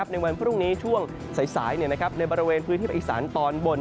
ในวันพรุ่งนี้ช่วงสายในบริเวณพื้นที่ภาคอีสานตอนบน